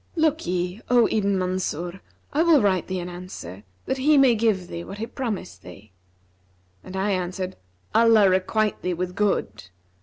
'Look'ye, O Ibn Mansur, I will write thee an answer, that he may give thee what he promised thee.' And I answered, 'Allah requite thee with good!'